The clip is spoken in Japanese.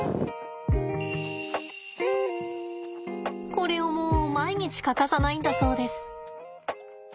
これをもう毎日欠かさないんだそうです。